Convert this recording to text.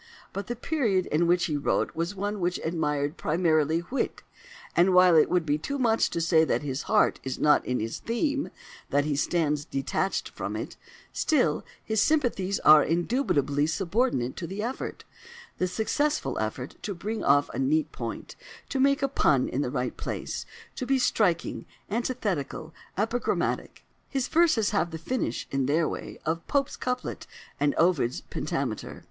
But the period in which he wrote was one which admired primarily wit; and while it would be too much to say that his heart is not in his theme—that he stands detached from it—still, his sympathies are indubitably subordinated to the effort, the successful effort, to bring off a neat point, to make a pun in the right place, to be striking, antithetical, epigrammatic. His verses have the finish, in their way, of Pope's couplet and Ovid's pentameter.